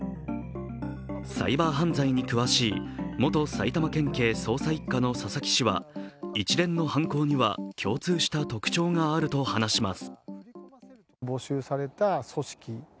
サイバー犯罪に詳しい元埼玉県警捜査一課の佐々木氏は一連の犯行には共通した特徴があると話します。